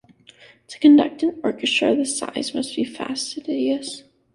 To conduct an orchestra this size must be fastidious.